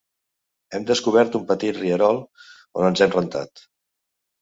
Hem descobert un petit rierol, on ens hem rentat.